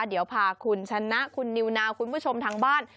เดี๋ยวพาคุณชนะคุณนิวนาวคุณผู้ชมทางบ้าน